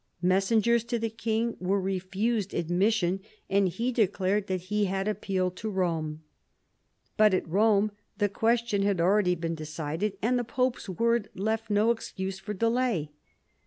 Messengers to the king were refused admission, and he declared that he had appealed to Eome. But at Eome the question had already been decided, and the pope's word left no excuse for delay.